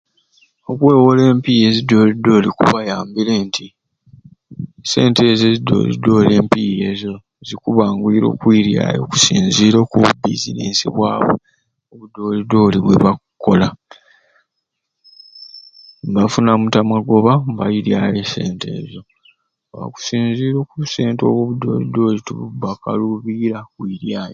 Okwewola empiya ezidyolidyoli kubayambire nti esente ezo ezidyolidyoli empiya ezo zikuba zikwanguwira okwiryayo okusinzira okububizinensi bwabwe obudyoli dyoli bwebakukola mbafunatte amagoba mbairyayo esente ezo okusinzira okubusente obwo obudyolidyoli tibubakalubira kwiryayo.